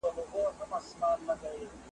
پر جلا لارو مزلونه یې وهلي `